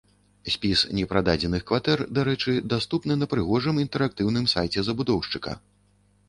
Спіс непрададзеных кватэр, дарэчы, даступны на прыгожым інтэрактыўным сайце забудоўшчыка.